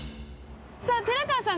さぁ寺川さん